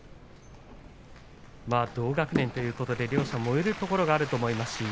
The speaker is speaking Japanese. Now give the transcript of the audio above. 同学年というところで燃えるところもあると思います。